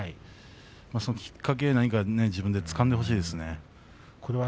そのきっかけ何か自分でつかんでほしいですね。